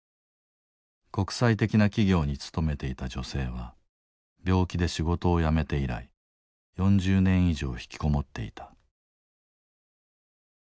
国際的な企業に勤めていた女性は病気で仕事を辞めて以来４０年以上ひきこもっていた。